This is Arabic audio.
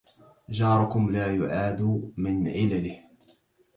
جاركم لا يعاد من علله